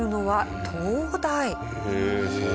へえ。